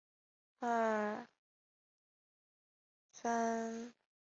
德意志亚恩多夫是奥地利布尔根兰州滨湖新锡德尔县的一个市镇。